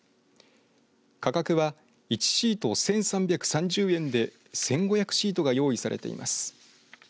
価格は１シート１３３０円で１５００シートが用意されています。